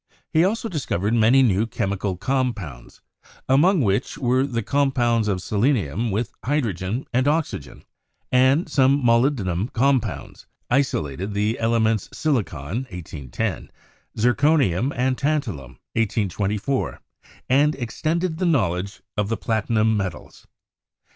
He also discovered many new chemical compounds, among which were the compounds of selenium with hydrogen and oxy gen, and some molybdenum compounds; isolated the ele ments silicon (1810), zirconium, and tantalum (1824) ; and extended the knowledge of the platinum metals.